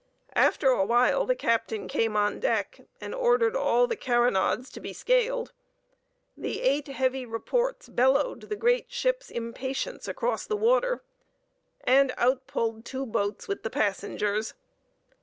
After a while the captain came on deck, and ordered all the carronades to be scaled. The eight heavy reports bellowed the great ship's impatience across the water, and out pulled two boats with the passengers.